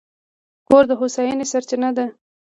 کور د هوساینې سرچینه ده.